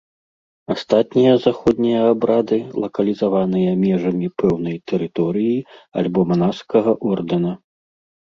Астатнія заходнія абрады лакалізаваныя межамі пэўнай тэрыторыі альбо манаскага ордэна.